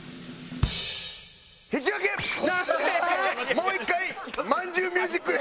もう１回まんじゅうミュージックで。